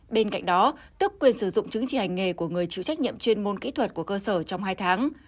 bên cạnh đó tức quyền sử dụng chứng chỉ hành nghề của người chịu trách nhiệm chuyên môn kỹ thuật của cơ sở trong hai tháng